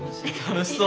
楽しそう。